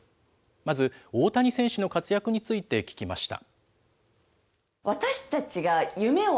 まず、大谷選手の活躍について聞きました。